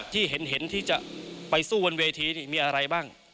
ที่เห็นที่จะไปสู้บนเวทีนี่มีอะไรบ้าง